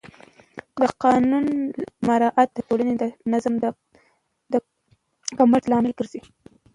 د قانون نه مراعت د ټولنې د نظم د کمښت لامل ګرځي